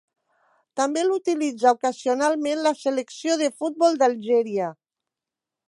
També l'utilitza ocasionalment la selecció de futbol d'Algèria.